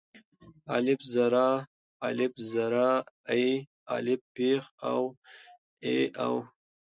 الپ زر آ، الپ زر اي، الپ پېښ أو آآ اي او.